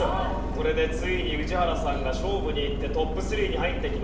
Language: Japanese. これでついに宇治原さんが勝負にいってトップ３に入ってきました。